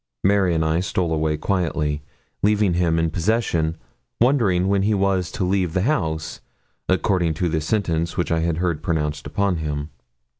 Mary and I stole away quietly, leaving him in possession, wondering when he was to leave the house, according to the sentence which I had heard pronounced upon him.